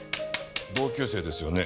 同級生ですよね？